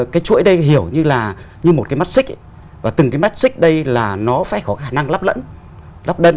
cái chuỗi đây hiểu như là như một cái mắt xích và từng cái mắt xích đây là nó phải có khả năng lắp lẫn